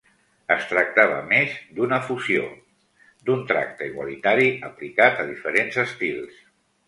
Es tractava més d'una fusió, d'un tracte igualitari aplicat a diferents estils.